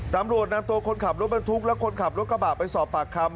ตำรวจนำตัวคนขับรถบรรทุกและคนขับรถกระบะไปสอบปากคำ